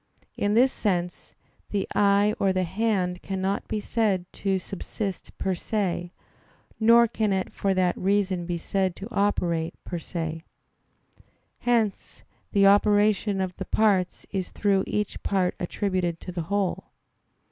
In this sense, the eye or the hand cannot be said to subsist per se; nor can it for that reason be said to operate per se. Hence the operation of the parts is through each part attributed to the whole.